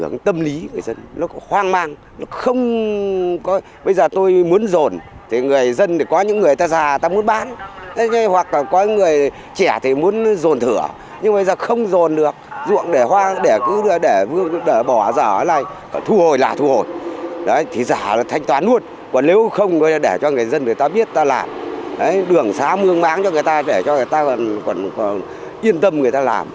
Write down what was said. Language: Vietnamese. nếu không để cho người dân người ta biết ta làm đường xá mương mảng cho người ta để cho người ta yên tâm người ta làm